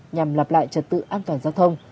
nhằm lặp lại trật tự an toàn giao thông